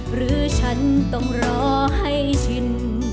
หรือฉันต้องรอให้ชิน